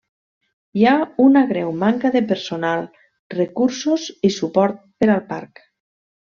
Hi ha una greu manca de personal, recursos i suport per al parc.